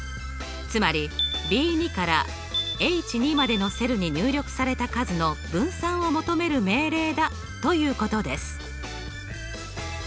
つまりＢ２からＨ２までのセルに入力された数の分散を求める命令だということです。